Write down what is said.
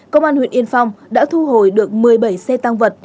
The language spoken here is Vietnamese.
công an huyện yên phong đã thu hồi được một mươi bảy xe tăng vật